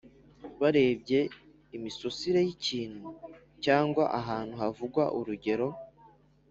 barebye imisusirey’ikintu cyangwa ahantu havugwa Urugero